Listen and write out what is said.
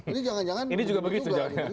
ini juga begitu